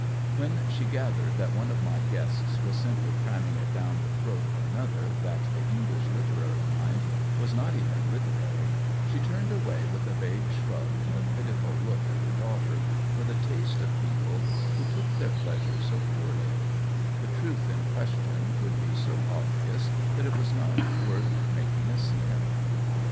When she gathered that one of my guests was simply cramming it down the throat of another that the English literary mind was not even literary, she turned away with a vague shrug and a pitiful look at her daughter for the taste of people who took their pleasure so poorly ; the truth in ques tion would be so obvious that it was not worth making a scene about.